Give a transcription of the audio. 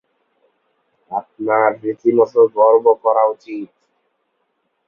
আপনার রীতিমত গর্ব করা উচিৎ।